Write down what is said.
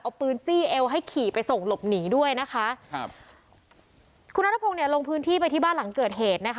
เอาปืนจี้เอวให้ขี่ไปส่งหลบหนีด้วยนะคะครับคุณนัทพงศ์เนี่ยลงพื้นที่ไปที่บ้านหลังเกิดเหตุนะคะ